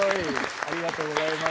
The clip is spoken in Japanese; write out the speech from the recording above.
ありがとうございます。